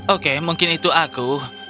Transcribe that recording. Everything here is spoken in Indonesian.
oke mungkin itu aku